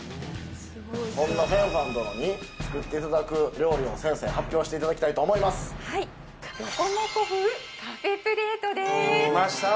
そんな豊凡殿に作っていただく料理を先生に発表していただきたいと思いますはいきました